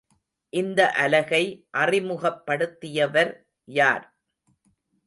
இந்த அலகை அறிமுகப்படுத்தியவர் யார்?